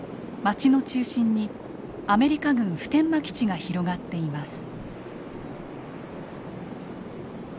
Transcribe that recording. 街の中心にアメリカ軍普天間基地が広がっています。